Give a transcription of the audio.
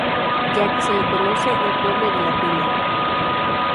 Ya que se le conoce el pueblo de la piña.